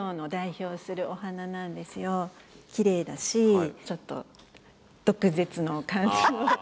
きれいだしちょっと毒舌の感じも。